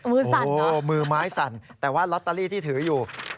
มือสั่นเหรอมือไม้สั่นแต่ว่าล็อตเตอรี่ที่ถืออยู่